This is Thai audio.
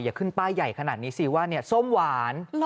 อย่าขึ้นป้ายใหญ่ขนาดนี้สิว่าส้มหวาน